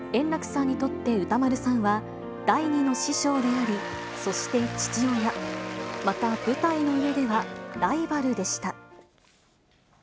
円楽さんにとって歌丸さんは、第二の師匠であり、そして父親、また舞台の上ではライバルでした。